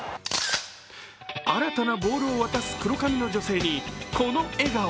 新たなボールを渡す黒髪の女性にこの笑顔。